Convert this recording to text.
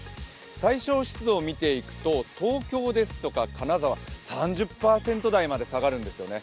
最小湿度を見ていくと、東京ですとか神奈川３０％台まで下がるんですよね。